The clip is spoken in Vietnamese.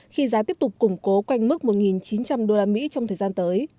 khi giá tiếp tục củng cố quanh mức một chín trăm linh usd trong thời gian tới